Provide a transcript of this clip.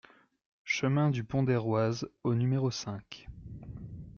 Chemin du Pont des Roises au numéro cinq